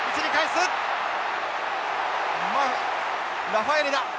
ラファエレだ。